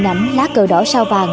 hình ảnh lá cờ đỏ sao vàng